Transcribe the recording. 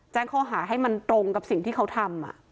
แจ้งข้อหาให้มันตรงกับสิ่งที่เขาทำ